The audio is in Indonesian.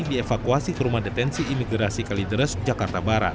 dievakuasi ke rumah detensi imigrasi kalideres jakarta barat